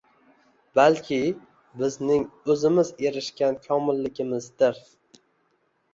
— balki bizning o‘zimiz erishgan komilligimizdir.